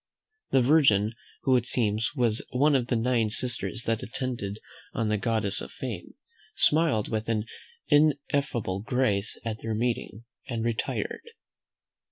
The virgin, who it seems was one of the Nine Sisters that attended on the Goddess of Fame, smiled with an ineffable grace at their meeting, and retired.